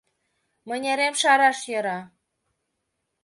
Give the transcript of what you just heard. Мынерем шараш йӧра.